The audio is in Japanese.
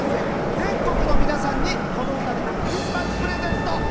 全国の皆さんに、この歌でクリスマスプレゼント。